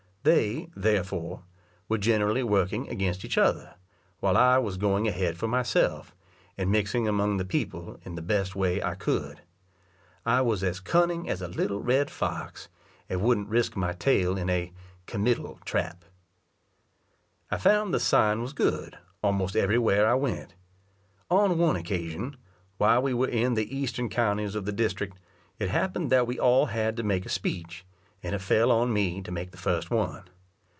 They, therefore, were generally working against each other, while I was going ahead for myself, and mixing among the people in the best way I could. I was as cunning as a little red fox, and wouldn't risk my tail in a "committal" trap. I found the sign was good, almost everywhere I went. On one occasion, while we were in the eastern counties of the district, it happened that we all had to make a speech, and it fell on me to make the first one.